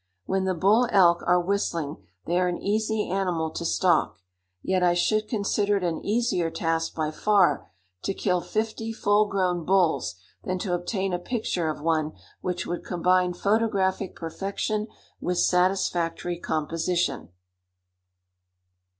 When the bull elk are whistling they are an easy animal to stalk; yet I should consider it an easier task by far to kill fifty full grown bulls than to obtain a picture of one which would combine photographic perfection with satisfactory composition.